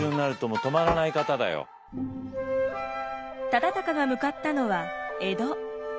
忠敬が向かったのは江戸。